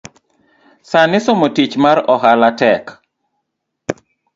Sani somo tich mar ohala tek